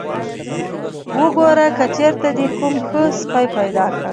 وګوره که چېرته دې کوم ښه سپی پیدا کړ.